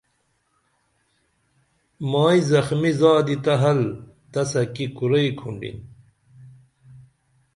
مائی زخمی زادی تہ حل تسہ کی کُرئی کُھنڈِن